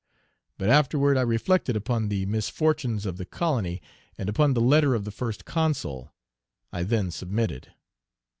But, afterward, I reflected upon the misfortunes of the colony and upon the letter of the First Consul; I then submitted.